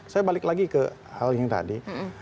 saya balik lagi ke hal yang tadi